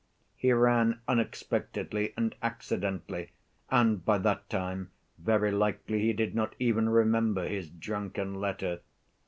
He ran unexpectedly and accidentally, and by that time very likely he did not even remember his drunken letter.